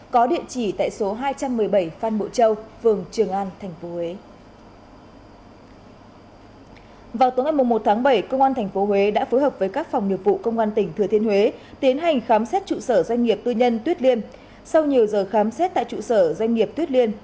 có địa chỉ tại số hai trăm một mươi bảy phan bộ châu phường trường an tp huế